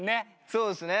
そうっすね。